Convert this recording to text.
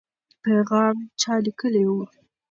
پیغام چا لیکلی و؟